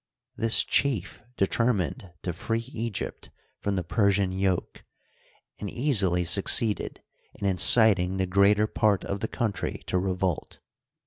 This chief determined to free Egypt from the Persian yoke, and easily succeeded in inciting the greater part of the country to revolt.